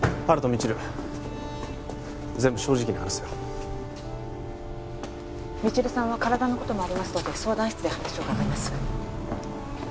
未知留全部正直に話せよ未知留さんは体のこともありますので相談室で話を伺います